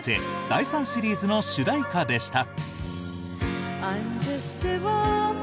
第３シリーズの主題歌でした。